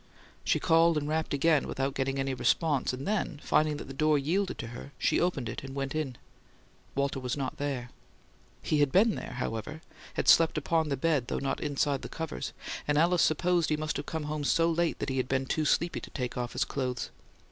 She called and rapped again, without getting any response, and then, finding that the door yielded to her, opened it and went in. Walter was not there. He had been there, however; had slept upon the bed, though not inside the covers; and Alice supposed he must have come home so late that he had been too sleepy to take off his clothes.